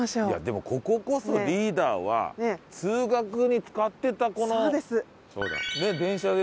いやでもこここそリーダーは通学に使ってたこの電車ですよ。